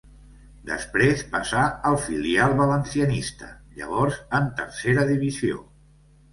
Després passà al filial valencianista, llavors en Tercera divisió.